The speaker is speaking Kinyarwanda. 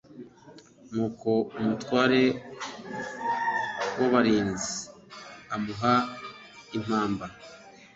Nuko umutware w abarinzi amuha impamba